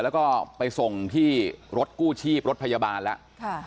แล้วก็ไปส่งที่รถกู้ชีพรถพยาบาลแล้ว